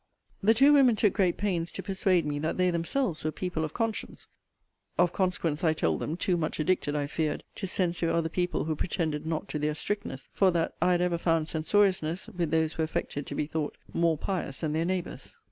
The two women took great pains to persuade me that they themselves were people of conscience; of consequence, I told them, too much addicted, I feared, to censure other people who pretended not to their strictness; for that I had ever found censoriousness, with those who affected to be thought more pious than their neighbours.